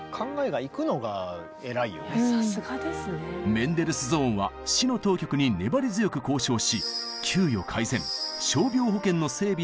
メンデルスゾーンは市の当局に粘り強く交渉し給与改善傷病保険の整備などを実現。